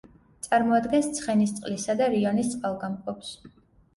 წარმოადგენს ცხენისწყლისა და რიონის წყალგამყოფს.